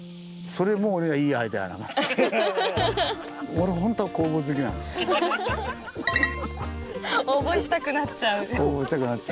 俺応募したくなっちゃう。